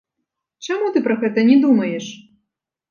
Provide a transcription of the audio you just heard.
Чаму ты пра гэта не думаеш?